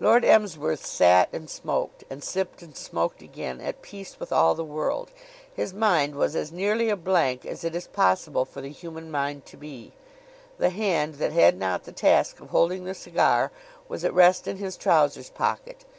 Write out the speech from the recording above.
Lord Emsworth sat and smoked, and sipped and smoked again, at peace with all the world. His mind was as nearly a blank as it is possible for the human mind to be. The hand that had not the task of holding the cigar was at rest in his trousers pocket.